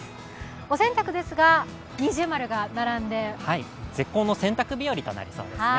お洗濯は◎が並んで絶好の洗濯日和となりそうですね。